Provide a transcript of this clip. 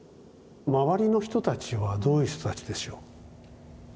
周りの人たちはどういう人たちでしょう。